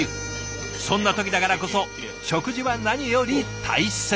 そんな時だからこそ食事は何より大切。